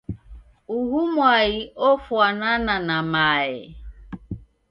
uhu mwai ofwanana na mae.